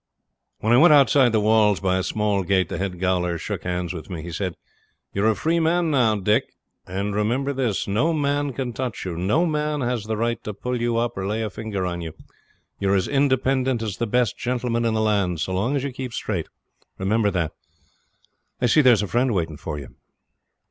When I went outside the walls by a small gate the head gaoler shook hands with me. 'You're a free man now, Dick,' he says, 'and remember this no man can touch you. No man has the right to pull you up or lay a finger on you. You're as independent as the best gentleman in the land so long as you keep straight. Remember that. I see there's a friend waiting for you.'